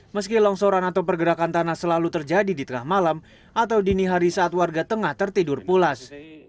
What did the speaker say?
meski longsoran atau pergerakan tanah selalu terjadi di tengah malam atau dini hari saat warga tengah tertidur pulas